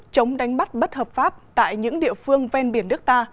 chống đánh bắt bất hợp pháp tại những địa phương ven biển nước ta